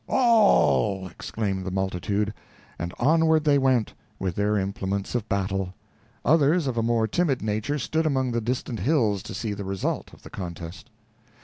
"All," exclaimed the multitude; and onward they went, with their implements of battle. Others, of a more timid nature, stood among the distant hills to see the result of the contest.